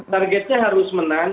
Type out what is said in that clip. targetnya harus menang